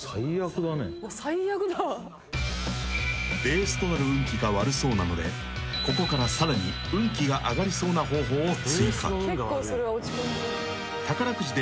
［ベースとなる運気が悪そうなのでここからさらに運気が上がりそうな方法を追加］